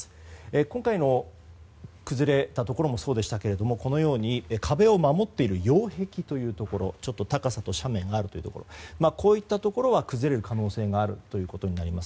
今回の崩れたところもそうでしたけれども壁を守っている擁壁というところ高さと斜面があるところはこういったところは崩れる可能性があるとなります。